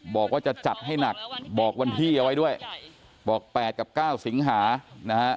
บอกว่าจะจัดให้หนักบอกวันที่เอาไว้ด้วยบอก๘กับ๙สิงหานะฮะ